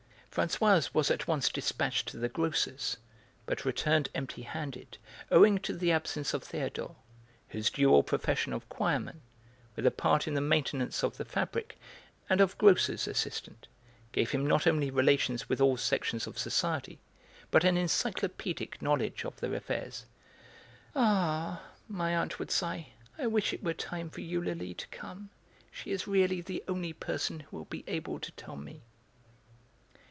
Françoise was at once dispatched to the grocer's, but returned empty handed owing to the absence of Théodore, whose dual profession of choirman, with a part in the maintenance of the fabric, and of grocer's assistant gave him not only relations with all sections of society, but an encyclopaedic knowledge of their affairs. "Ah!" my aunt would sigh, "I wish it were time for Eulalie to come. She is really the only person who will be able to tell me."